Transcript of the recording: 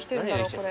これ。